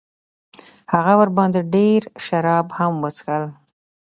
هغه ورباندې ډېر شراب هم وڅښل.